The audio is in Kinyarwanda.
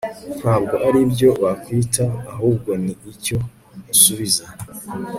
ntabwo aribyo bakwita, ahubwo ni icyo usubiza